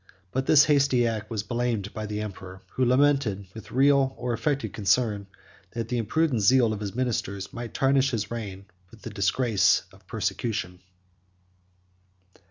But this hasty act was blamed by the emperor; who lamented, with real or affected concern, that the imprudent zeal of his ministers would tarnish his reign with the disgrace of persecution.